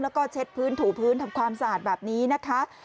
แล้วก็เช็ดพื้นถูพื้นทำความสะอาดแบบนี้นะคะ